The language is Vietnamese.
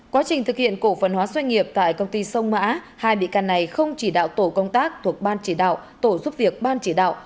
quá trình thực hiện cổ phần hóa doanh nghiệp tại công ty sông mã hai bị can này không chỉ đạo tổ công tác thuộc ban chỉ đạo tổ giúp việc ban chỉ đạo